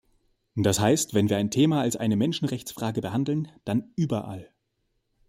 Das heißt, wenn wir ein Thema als eine Menschenrechtsfrage behandeln, dann überall.